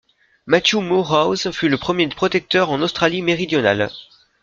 Matthew Moorhouse fut le premier Protecteur en Australie-Méridionale.